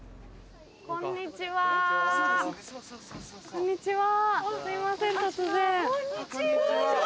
こんにちは。